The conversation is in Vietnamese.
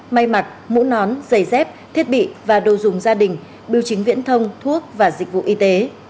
may mặt mũ nón giày dép thiết bị và đồ dùng gia đình biểu chính viễn thông thuốc và dịch vụ y tế